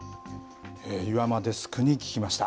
岩間デスクに聞きました。